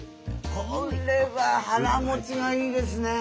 これは腹もちがいいですね。